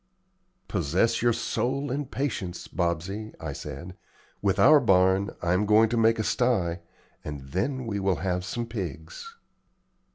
"Possess your soul in patience, Bobsey," I said. "With our barn, I am going to make a sty, and then we will have some pigs."